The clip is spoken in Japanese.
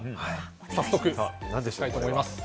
早速お見せしたいと思います。